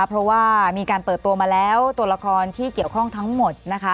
เพราะว่ามีการเปิดตัวมาแล้วตัวละครที่เกี่ยวข้องทั้งหมดนะคะ